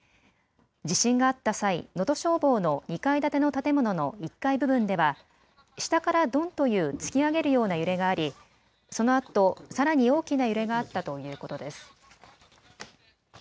地震があった際、能登消防の２階建ての建物の１階部分では下からドンという突き上げるような揺れがあり、そのあとさらに大きな揺れがあったということです。